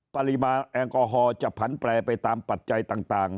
ปริมาณแอลกอฮอล์จะผันแปลไปตามปัจจัยต่าง